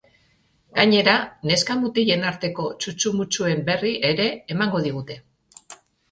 Gainera, neska-mutilen arteko txutxu-mutxuen berri ere emango digute.